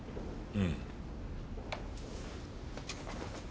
うん。